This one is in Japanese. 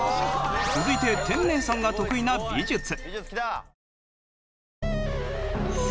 続いて天明さんが得意な美術。